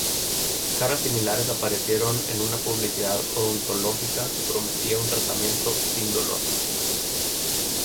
Caras similares aparecieron en una publicidad odontológica que prometía un tratamiento "sin dolor".